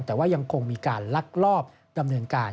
แต่ว่ายังคงมีการลักลอบดำเนินการ